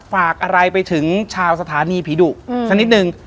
ฝากอะไรไปถึงชาวสถานีผีดุสักนิดนึง